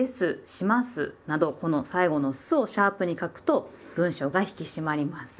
「します」などこの最後の「す」をシャープに書くと文章が引き締まります。